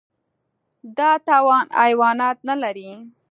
دا توان حیوانات نهلري.